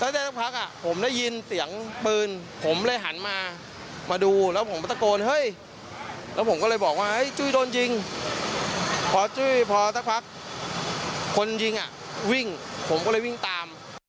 ได้คุยกับพี่สาวของในจุ้ยค่ะ